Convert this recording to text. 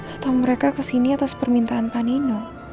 atau mereka ke sini atas permintaan pak nino